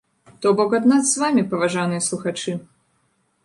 То бок ад нас з вамі, паважаныя слухачы!